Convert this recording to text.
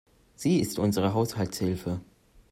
Sie ist unsere Haushaltshilfe.